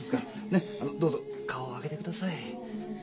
ねっどうぞ顔を上げてください。